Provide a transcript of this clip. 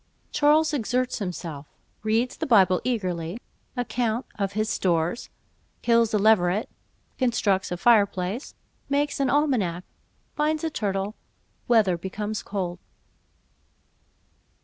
Charles exerts himself—Reads the Bible eagerly—Account of his Stores—Kills a Leveret—Constructs a Fire place—Makes an Almanack—Finds a Turtle—Weather becomes cold.